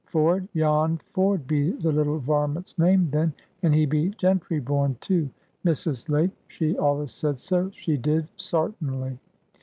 Ford—Jan Ford be the little varment's name then, and he be gentry born, too! Missus Lake she allus said so, she did, sartinly."